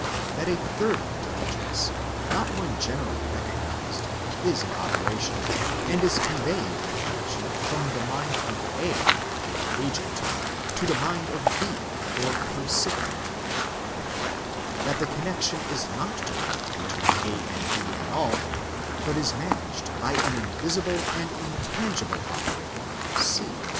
that a third intelli gence, not one generally recognised, is in operation, and is con veying information from the mind of A, or agent, to the mind of B, or percipient; in fact, that the connection is not direct be tween A and B at all, but is managed by an invisible and intan gible operator C.